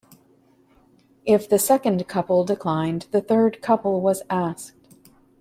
If the second couple declined, the third couple was asked.